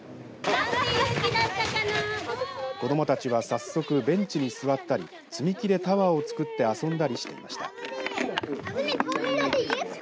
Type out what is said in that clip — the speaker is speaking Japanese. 子どもたちは早速ベンチに座ったり積み木でタワーを作って遊んだりしていました。